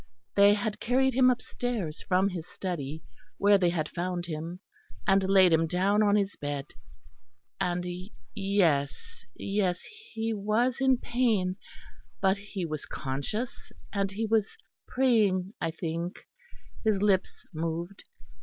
They had carried him upstairs from his study, where they had found him; and laid him down on his bed, and yes, yes he was in pain, but he was conscious, and he was praying I think; his lips moved.